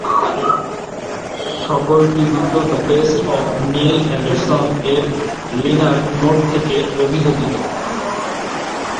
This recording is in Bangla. সকল কৃতিত্ব "দ্য বেস্ট অফ লিন অ্যান্ডারসন"-এর লিনার নোট থেকে অভিযোজিত।